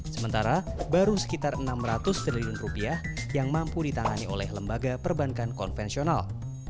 sementara baru sekitar enam ratus triliun rupiah yang mampu ditangani oleh lembaga perbankan konvensional